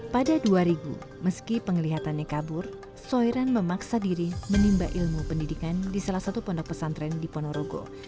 pada dua ribu meski penglihatannya kabur soiran memaksa diri menimba ilmu pendidikan di salah satu pondok pesantren di ponorogo